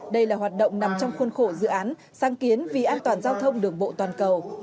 đây là hoạt động nằm trong khuôn khổ dự án sáng kiến vì an toàn giao thông đường bộ toàn cầu